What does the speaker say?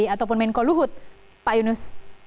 ataupun menko luhut pak yunus